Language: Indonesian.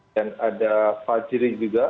dan ada fajri juga